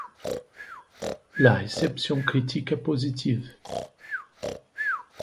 La réception critique est positive.